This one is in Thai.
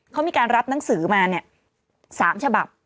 เขามีการรับหนังสือมาเนี่ย๓ฉบับ